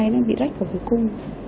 nó bị rách vào thủy cung